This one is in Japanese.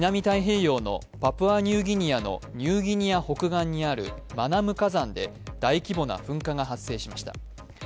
太平洋のパプアニューギニアのニューギニア北岸にあるマナム火山で大規模な噴火が発生しました。